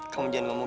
kamu jangan ngomong